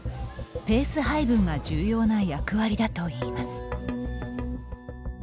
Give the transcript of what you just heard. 「ペース配分が重要な役割」だと言います。